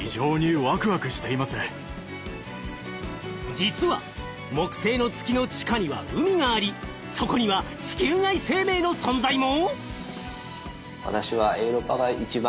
実は木星の月の地下には海がありそこには地球外生命の存在も！？